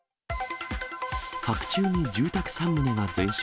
白昼に住宅３棟が全焼。